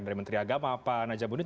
dari menteri agama pak najabudin